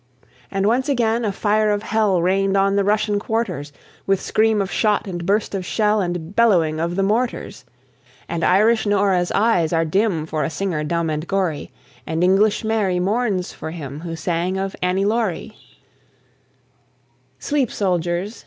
And once again a fire of hell Rained on the Russian quarters, With scream of shot, and burst of shell, And bellowing of the mortars! And Irish Nora's eyes are dim For a singer, dumb and gory; And English Mary mourns for him Who sang of "Annie Laurie." Sleep, soldiers!